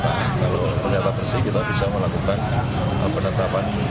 kalau ternyata bersih kita bisa melakukan penetapan